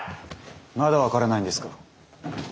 まだ分からないんですか？